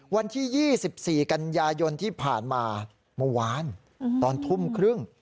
วันที่๒๔กันยายนที่ผ่านมาเมื่อวานตอนทุ่มครึ่ง